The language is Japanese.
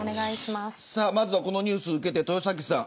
まずこのニュースを受けて豊崎さん。